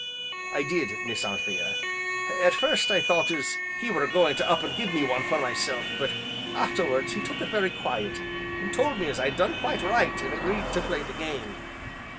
"I did, Miss Anthea; at first, I thought as he were going to up an' give me one for myself, but, arterwards he took it very quiet, an' told me as I'd done quite right, an' agreed to play the game.